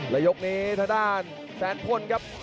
และยกนี้ทางด้านแสนพลครับ